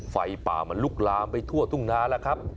ไฟป่ามันลุกลามไปทั่วทุ่งนาแล้วครับ